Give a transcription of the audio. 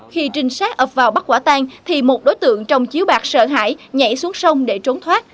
khi trinh sát ập vào bắt quả tan thì một đối tượng trong chiếu bạc sợ hãi nhảy xuống sông để trốn thoát